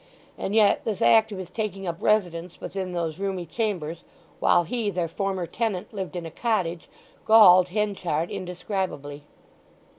And yet this act of his taking up residence within those roomy chambers while he, their former tenant, lived in a cottage, galled Henchard indescribably.